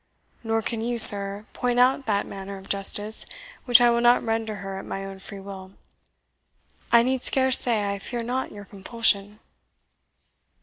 Nor can you, sir, point out that manner of justice which I will not render her at my own free will. I need scarce say I fear not your compulsion."